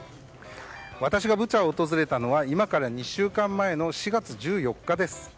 私がブチャを訪れたのは今から２週間前の４月１４日です。